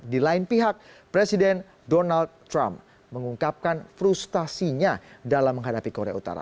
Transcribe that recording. di lain pihak presiden donald trump mengungkapkan frustasinya dalam menghadapi korea utara